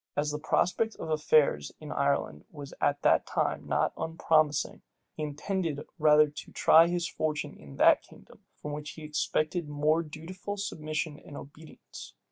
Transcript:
As the prospect of affairs in Ireland was at that time not unpromising, he intended rather to try his fortune in that kingdom, from which he expected more dutiful submission and obedience.